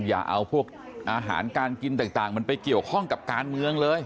อย่าเอาพวกอาหารการกินต่างมันไปเกี่ยวข้องกับการเมืองเลย